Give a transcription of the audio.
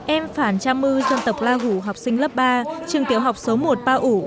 em phản cha mư dân tộc la hủ học sinh lớp ba trường tiểu học số một pa u